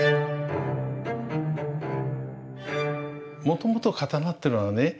もともと刀ってのはね